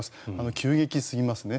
急激すぎますね。